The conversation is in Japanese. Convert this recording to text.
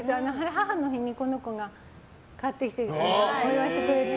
母の日にこの子が買ってきてくれてお祝いしてくれて。